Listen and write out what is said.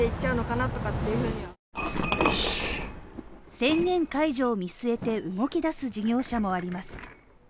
宣言解除を見据えて動き出す事業者もあります。